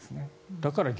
だから逆。